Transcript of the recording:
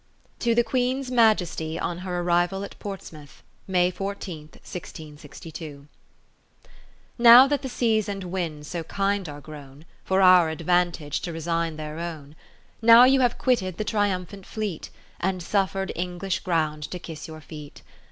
To the Queen's Majesty on her Arrival at Portsmouth, May 14, 1662 Now that the Seas and Winds so kind are grown, For our advantage to resign their own ; Nowyouhave quitted the triumphant fleet. And suffered English ground to kiss your feet.